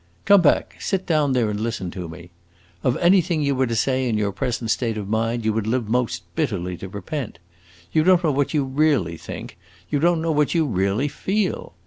"Come back; sit down there and listen to me. Of anything you were to say in your present state of mind you would live most bitterly to repent. You don't know what you really think; you don't know what you really feel.